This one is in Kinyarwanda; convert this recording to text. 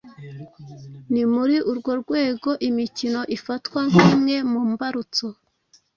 Ni muri urwo rwego imikino ifatwa nk’imwe mu mbarutso